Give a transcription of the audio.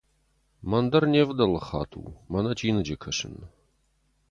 Мӕн дӕр не ’вдӕлы, Хату, мӕнӕ чиныджы кӕсын.